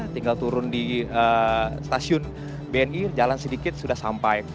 tinggal turun di stasiun bni jalan sedikit sudah sampai